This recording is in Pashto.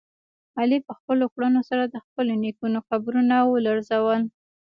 علي په خپلو کړنو سره د خپلو نیکونو قبرونه ولړزول.